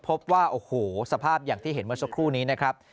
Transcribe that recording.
พบว่าโอ้โหสภาพอย่างที่เห็นเมื่อสักครู่นี้นะครับ